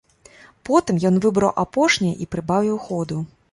Потым ён выбраў апошняе і прыбавіў ходу.